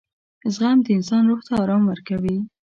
• زغم د انسان روح ته آرام ورکوي.